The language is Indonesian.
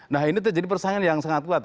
nah ini terjadi persaingan yang sangat kuat